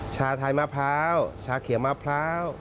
ชาไทยมะพร้าวชาเขียวมะพร้าว